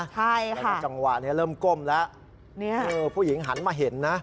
ใช่ค่ะจังหวะเนี่ยเริ่มก้มแล้วนี่ค่ะคือผู้หญิงหันมาเห็นนะ